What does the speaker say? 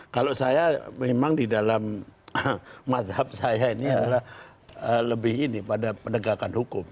kalau saya memang di dalam madhab saya ini adalah lebih ini pada penegakan hukum